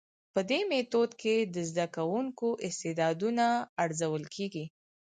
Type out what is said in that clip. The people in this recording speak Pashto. په دي ميتود کي د زده کوونکو استعدادونه ارزول کيږي.